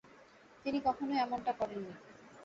তিনি কখনই এমনটা করেননি।